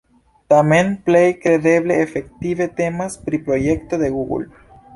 Tamen plej kredeble efektive temas pri projekto de Google.